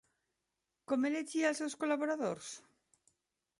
Com elegia els seus col·laboradors?